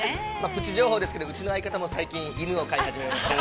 ぷち情報ですが、うちの相方も犬を飼い始めました。